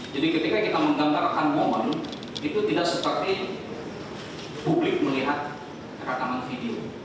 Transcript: jadi ketika kita menggantarkan moment itu tidak seperti publik melihat rekaman video